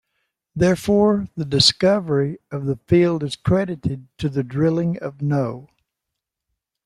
Therefore, the discovery of the field is credited to the drilling of No.